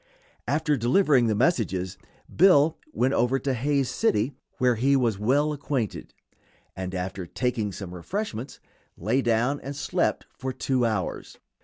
After delivering the message Bill went over to Hays City, where he was well acquainted, and after taking some refreshments lay down and slept for two hours.